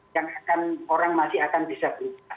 yang akan orang masih akan bisa buka